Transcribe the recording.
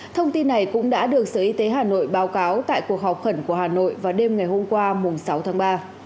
thông tin này cũng đã được sở y tế hà nội báo cáo tại cuộc họp khẩn của hà nội vào đêm ngày hôm qua sáu tháng ba